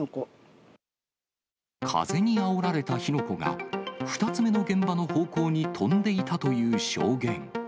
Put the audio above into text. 風にあおられた火の粉が、２つ目の現場の方向に飛んでいたという証言。